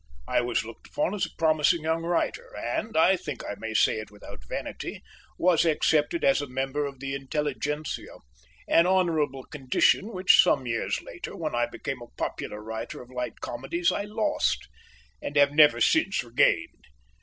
I was looked upon as a promising young writer and, I think I may say it without vanity, was accepted as a member of the intelligentsia, an honourable condition which, some years later, when I became a popular writer of light comedies, I lost; and have never since regained.